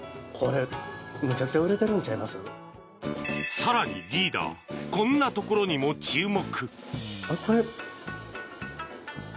更にリーダーこんなところにも注目。